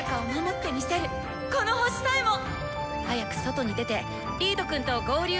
早く外に出てリードくんと合流。